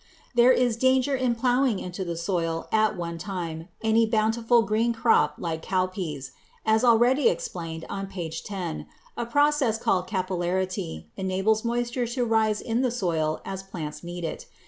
There is danger in plowing into the soil at one time any bountiful green crop like cowpeas. As already explained on page 10, a process called capillarity enables moisture to rise in the soil as plants need it.